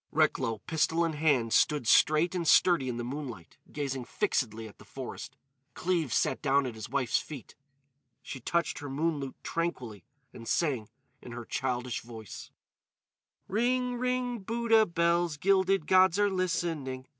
Recklow, pistol in hand, stood straight and sturdy in the moonlight, gazing fixedly at the forest. Cleves sat down at his wife's feet. She touched her moon lute tranquilly and sang in her childish voice: "Ring, ring, Buddha bells, _Gilded gods are listening.